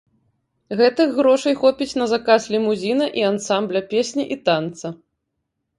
Гэтых грошай хопіць на заказ лімузіна і ансамбля песні і танца.